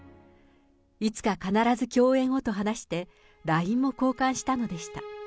いつか必ず共演をと話して、ＬＩＮＥも交換したのでした。